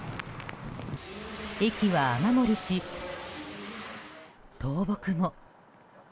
駅は雨漏りし、倒木も。